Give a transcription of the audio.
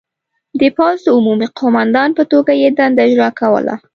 د پوځ د عمومي قوماندان په توګه یې دنده اجرا کوله.